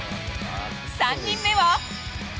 ３人目は。